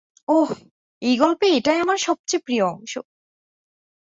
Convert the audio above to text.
ওহ, এই গল্পে এটাই আমার সবচেয়ে প্রিয় অংশ।